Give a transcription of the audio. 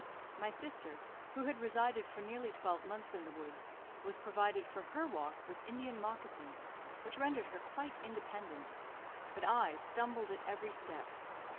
My sister, who had resided for nearly twelve months in the woods, was provided for her walk with Indian moccasins, which rendered her quite independent; but I stumbled at every step.